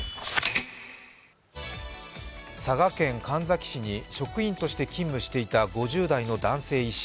佐賀県神埼市に職員として勤務していた５０代の男性医師。